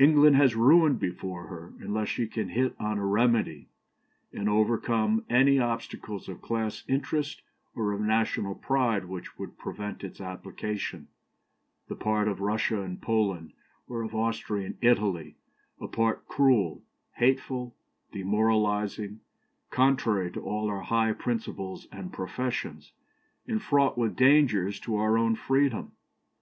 "England has ruin before her, unless she can hit on a remedy, and overcome any obstacles of class interest or of national pride which would prevent its application, the part of Russia in Poland, or of Austria in Italy a part cruel, hateful, demoralizing, contrary to all our high principles and professions, and fraught with dangers to our own freedom.